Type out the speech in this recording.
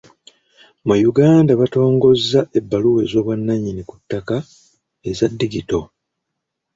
Mu Uganda batongozza ebbaluwa ez'obwannannyini ku ttaka eza digito.